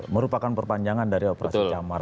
merupakan perpanjangan dari operasi camar